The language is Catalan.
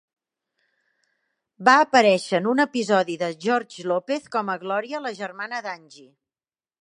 Va aparèixer en un episodi de George Lopez com a Glòria, la germana d'Angie.